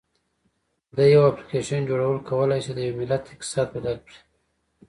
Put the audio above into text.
د یو اپلیکیشن جوړول کولی شي د یو ملت اقتصاد بدل کړي.